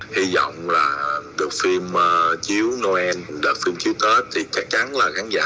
hy vọng là đợt phim chiếu noel đợt phim chiếu tết thì chắc chắn là khán giả